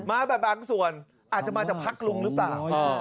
มาแบบบางส่วนอาจจะมาจากพักลุงหรือเปล่า